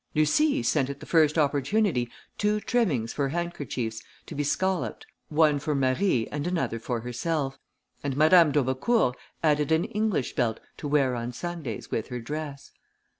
Lucie sent at the first opportunity, two trimmings for handkerchiefs, to be scalloped, one for Marie and another for herself, and Madame d'Aubecourt added an English belt to wear on Sundays with her dress.